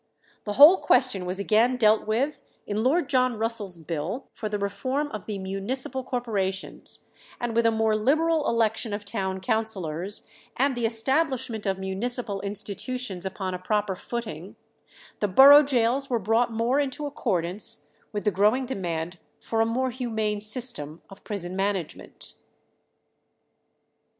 The whole question was again dealt with in Lord John Russell's bill for the reform of the municipal corporations, and with a more liberal election of town councillors, and the establishment of municipal institutions upon a proper footing, the borough gaols were brought more into accordance with the growing demand for a more humane system of prison management.